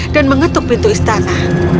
dan mengetuk pintu istana